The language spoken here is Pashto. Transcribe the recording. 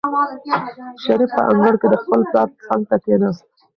شریف په انګړ کې د خپل پلار څنګ ته کېناست.